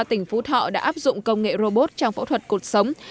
tỉnh phú thọ đã áp dụng công nghệ robot trong phẫu thuật cuộc sống